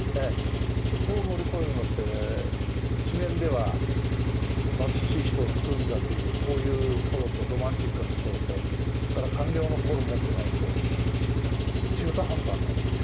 そこを乗り越えるのって一面では貧しい人を救うんだというこういう心とロマンチックな心とそれから官僚の心を持ってないと中途半端になりますよ。